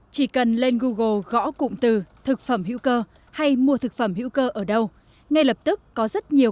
chỉ cần lên google gõ cụm từ thực phẩm hữu cơ hay mua thực phẩm hữu cơ ở đâu ngay lập tức có rất nhiều